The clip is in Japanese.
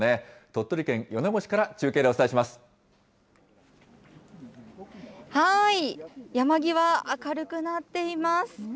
鳥取県米子市から中継でお伝えし山際、明るくなっています。